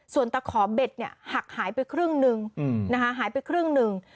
ส่วนตะขอเบ็ดเนี่ยหักหายไปครึ่งหนึ่งนะคะหายไปครึ่งหนึ่ง